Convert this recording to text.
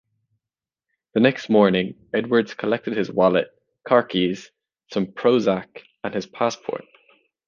The next morning Edwards collected his wallet, car keys, some Prozac and his passport.